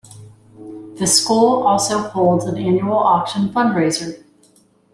The school also holds an annual auction fundraiser.